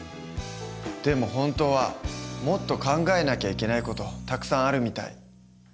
でも本当はもっと考えなきゃいけない事たくさんあるみたい。